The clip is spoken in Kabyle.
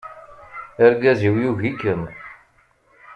Argaz-iw yugi-kem.